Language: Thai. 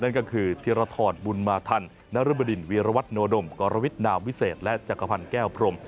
นั่นก็คือธีรทรบุญมาทันนรบดินวีรวัตโนดมกรวิทนามวิเศษและจักรพันธ์แก้วพรม